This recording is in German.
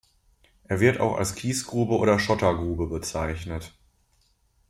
Er wird auch als Kiesgrube oder Schottergrube bezeichnet.